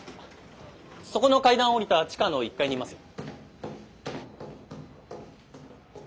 そこの階段下りた地下の１階にいますよ。